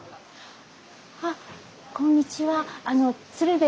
あっこんにちは。